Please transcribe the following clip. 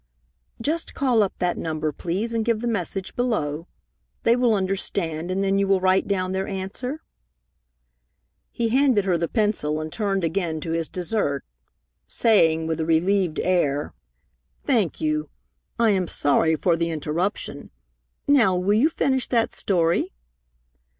"Just call up that number, please, and give the message below. They will understand, and then you will write down their answer?" He handed her the pencil and turned again to his dessert, saying with a relieved air: "Thank you. I am sorry for the interruption. Now will you finish that story?"